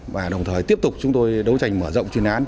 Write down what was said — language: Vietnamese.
và đồng thời tiếp tục chúng tôi đấu tranh mở rộng chuyên án